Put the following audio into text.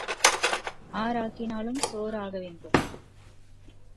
R ஆக்கினாலும் சோறு ஆகவேணும்.